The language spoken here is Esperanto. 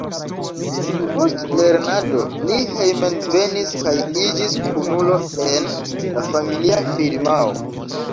Post lernado li hejmenvenis kaj iĝis kunulo en la familia firmao.